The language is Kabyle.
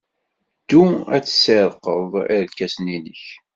Ddu ad tessirrqeḍ irkasen-nnek!